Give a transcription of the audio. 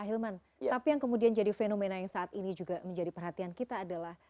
ahilman tapi yang kemudian jadi fenomena yang saat ini juga menjadi perhatian kita adalah